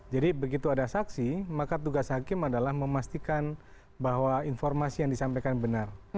jadi begitu ada saksi maka tugas hakim adalah memastikan bahwa informasi yang disampaikan benar